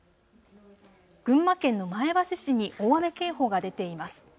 群馬県の前橋市に大雨警報が出ています。